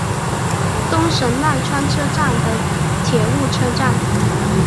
东神奈川车站的铁路车站。